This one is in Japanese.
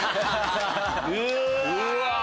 うわ！